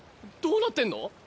どうなってんの？